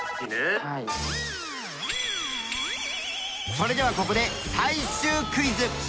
それではここで最終クイズ。